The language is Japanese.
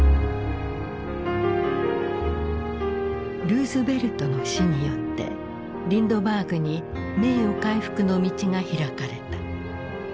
ルーズベルトの死によってリンドバーグに名誉回復の道が開かれた。